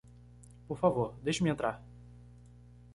Por favor, deixe-me entrar.